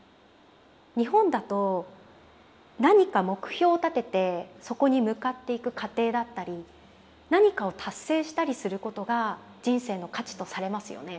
日本だと何か目標を立ててそこに向かっていく過程だったり何かを達成したりすることが人生の価値とされますよね。